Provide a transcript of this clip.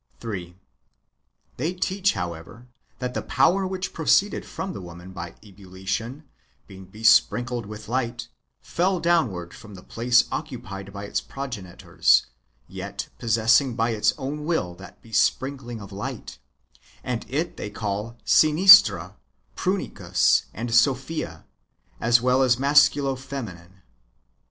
3. They teach, however, that the power which proceeded from the woman by ebullition, being besprinkled with light, fell downward from the place occupied by its progenitors, yet possessing by its own will that besprinkling of light ; and it they call Sinistra, Prunicus, and Sophia, as well as masculo feminine.